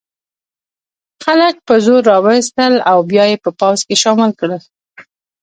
خلک په زور را وستل او بیا یې په پوځ کې شامل کړل.